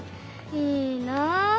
いいなあ。